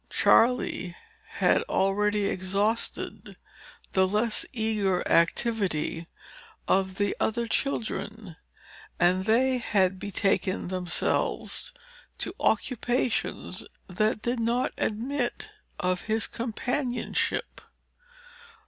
Charley had already exhausted the less eager activity of the other children; and they had betaken themselves to occupations that did not admit of his companionship.